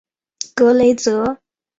格雷泽。